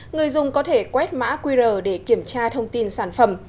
người dùng có thể quét mã qr để kiểm tra thông tin sản phẩm